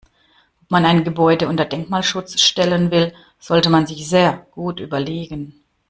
Ob man ein Gebäude unter Denkmalschutz stellen will, sollte man sich sehr gut überlegen.